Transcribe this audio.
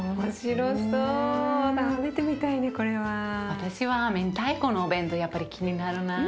私は明太子のお弁当やっぱり気になるな。